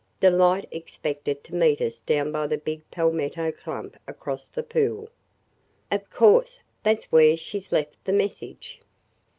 Delight expected to meet us down by the big palmetto clump across the pool. Of course that 's where she 's left the message!"